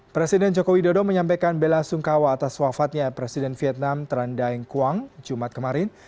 presiden jokowi dodo menyampaikan bela sungkawa atas wafatnya presiden vietnam trans daeng quang jumat kemarin